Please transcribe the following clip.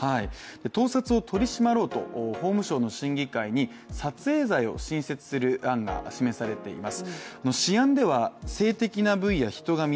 盗撮を取り締まると法務省の審議会に撮影罪を新設する案が示されています。